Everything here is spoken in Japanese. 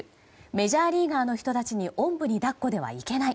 メジャーリーガーの人たちにおんぶに抱っこではいけない。